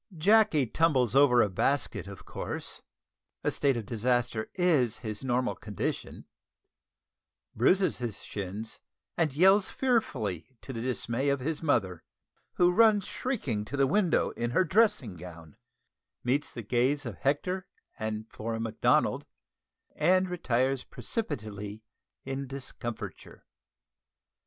Jacky tumbles over a basket, of course, (a state of disaster is his normal condition), bruises his shins, and yells fearfully, to the dismay of his mother, who runs shrieking to the window in her dressing gown, meets the gaze of Hector and Flora Macdonald, and retires precipitately in discomfiture.